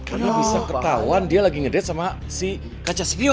karena bisa ketahuan dia lagi ngedate sama si kaca sikion